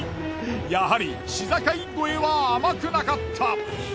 やはり市境越えは甘くなかった。